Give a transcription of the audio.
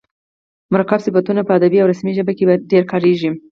مرکب صفتونه په ادبي او رسمي ژبه کښي ډېر کاریږي.